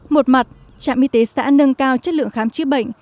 một mặt trạm y tế xã nâng cao chất lượng khám chữa bệnh